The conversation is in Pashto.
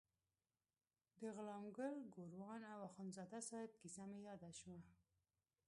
د غلام ګل ګوروان او اخندزاده صاحب کیسه مې یاده شوه.